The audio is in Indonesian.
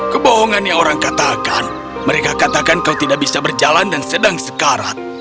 kebohongan yang orang katakan mereka katakan kau tidak bisa berjalan dan sedang sekarat